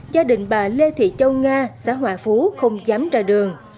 gia đình bà lê thị châu nga xã hòa phú không dám ra đường